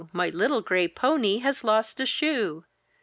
My little gray pony has lost a shoe!"